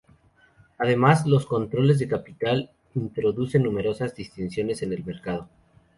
Además, los controles de capital introducen numerosas distorsiones en el mercado.